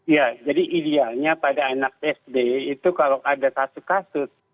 ya jadi idealnya pada anak sd itu kalau ada kasus kasus